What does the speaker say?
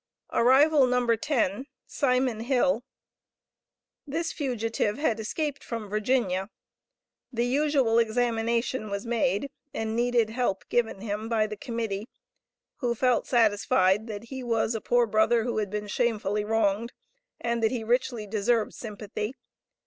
Arrival No. 10. Simon Hill. This fugitive had escaped from Virginia. The usual examination was made, and needed help given him by the Committee who felt satisfied that he was a poor brother who had been shamefully wronged, and that he richly deserved sympathy.